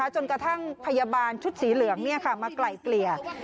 จนกระทั่งพยาบาลชุดสีเหลืองมาไกล่เกลี่ย